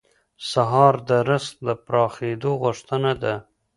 سهار د رزق د پراخېدو غوښتنه ده.